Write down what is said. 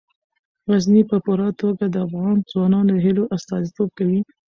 غزني په پوره توګه د افغان ځوانانو د هیلو استازیتوب کوي.